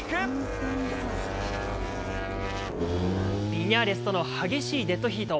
ビニャーレスとの激しいデッドヒート。